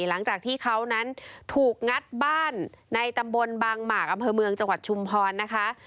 หลังจากที่เขานั้นถูกงัดบ้านในตำบลบางหมากอำเภอเมืองจังหวัดชุมพรนะคะ